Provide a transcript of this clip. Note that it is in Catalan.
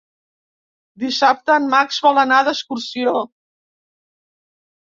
Dissabte en Max vol anar d'excursió.